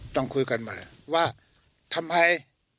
ต้องคุยกันใหม่ว่าทำไม